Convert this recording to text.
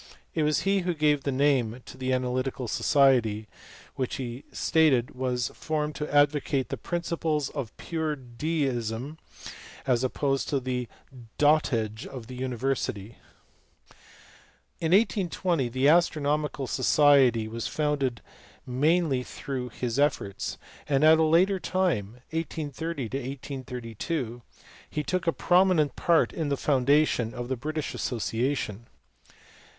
It was he who gave the name to the Analytical Society, which he stated was formed to advocate " the principles of pure d isrn as opposed to the dW age of the university." In 1820 the Astronomical Society was founded mainly through his efforts, and at a later time, 1830 to 1832, he took a prominent part in the foundation of the British Association.